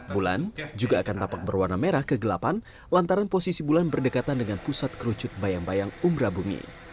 bulan juga akan tampak berwarna merah kegelapan lantaran posisi bulan berdekatan dengan pusat kerucut bayang bayang umrah bumi